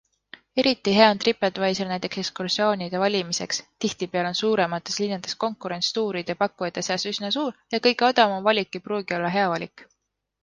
Eriti hea on TripAdvisor näiteks ekskursioonide valimiseks - tihtipeale on suuremates linnades konkurents tuuride pakkujate seas üsna suur ja kõige odavam valik ei pruugi olla hea valik.